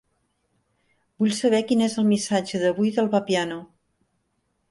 Vull saber quin és el missatge d'avui del Vapiano.